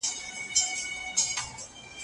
د رفاه هغه کچه چی ټولنه یې غواړي باید ترلاسه سي.